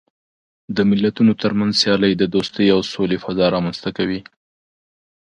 د ملتونو ترمنځ سیالۍ د دوستۍ او سولې فضا رامنځته کوي.